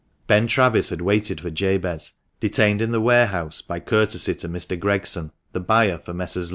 Ben Travis had waited for Jabez, detained in the warehouse by courtesy to Mr. Gregson, the buyer for Messrs.